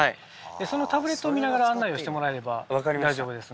そのタブレットを見ながら案内をしてもらえれば大丈夫です。